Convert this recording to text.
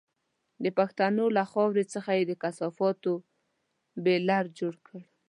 د پښتنو له خاورې څخه یې د کثافاتو بيولر جوړ کړی.